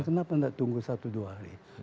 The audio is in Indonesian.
kenapa tidak tunggu satu dua hari